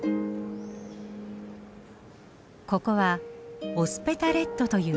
ここはオスペダレットという施設。